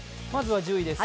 まずは１０位です